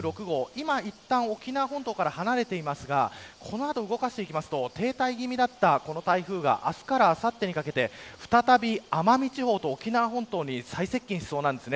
今いったん、沖縄本島から離れていますがこの後動かしていきますと停滞気味だった台風が明日からあさってにかけて再び奄美地方と沖縄本島に最接近しそうです。